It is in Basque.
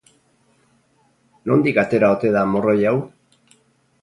Nondik atera ote da morroi hau?